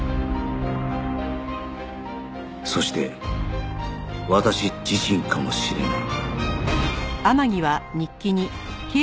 そして私自身かもしれない